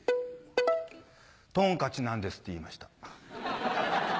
「トンカチなんです」って言いました。